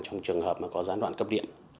trong trường hợp mà có gián đoạn cấp điện